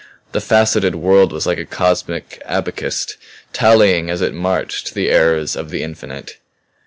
"The faceted world was like a cosmic abacist, tallying as it marched the errors of the infinite.